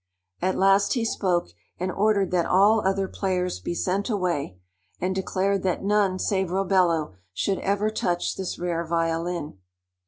At last he spoke, and ordered that all other players be sent away, and declared that none save Robello should ever touch this rare violin.